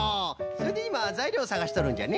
それでいまざいりょうをさがしとるんじゃね。